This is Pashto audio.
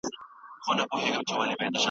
هغه وخت خلګو په سوله کي ژوند کاوه.